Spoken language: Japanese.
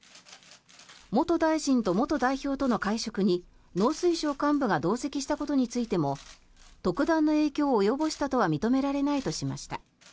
元大臣と元代表との会食に農水省幹部が同席したことについても特段の影響を及ぼしたとは認められないとしました。